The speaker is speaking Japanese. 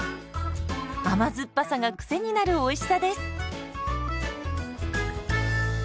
甘酸っぱさがクセになるおいしさです。